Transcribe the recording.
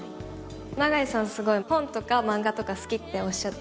長井さん本とか漫画とか好きっておっしゃってて。